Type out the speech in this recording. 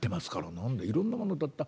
「何だいろんなもの断った。